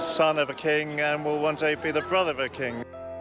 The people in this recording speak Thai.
สื่อมหาษีและโคตรภูมิในเท่านั้น